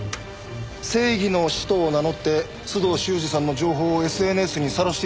正義の使徒を名乗って須藤修史さんの情報をＳＮＳにさらしていたのは。